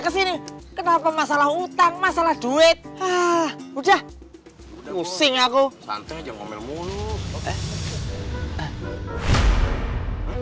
ke sini kenapa masalah utang masalah duit ah udah udah ngusing aku santai ngomel mulu